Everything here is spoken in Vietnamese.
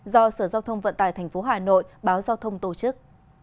do sở giao thông vận tải tp hà nội báo giao thông tổ chức